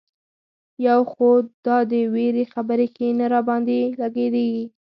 یو خو دا د وېرې خبرې ښې نه را باندې لګېږي.